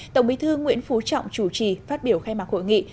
tổng bí thư nguyễn phú trọng chủ trì phát biểu khai mạc hội nghị